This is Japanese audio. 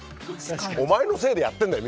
お前のせいでやってるんだよ